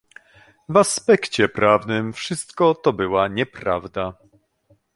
W aspekcie prawnym wszystko to była nieprawda